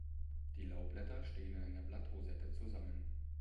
Die Laubblätter stehen in einer Blattrosette zusammen.